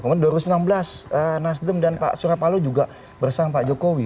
kemudian dua ribu enam belas nasdem dan pak surapalo juga bersama pak jokowi